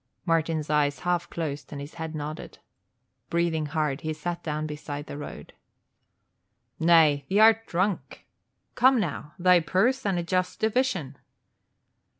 Martin's eyes half closed and his head nodded. Breathing hard, he sat down beside the road. "Nay, th'art drunk. Come, now, thy purse and a just division."